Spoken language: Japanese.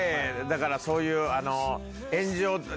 だからそういう。